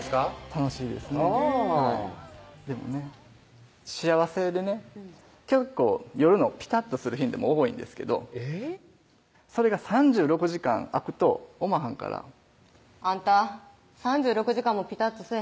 楽しいですねでもね幸せでね結構夜のピタっとする頻度も多いんですけどそれが３６時間空くとおまはんから「あんた３６時間もピタっとせぇ